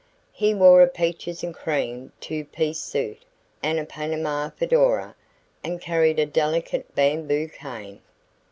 He wore a "peaches and cream" two piece suit and a panama fedora and carried a delicate bamboo cane.